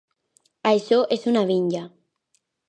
Això és una vinya!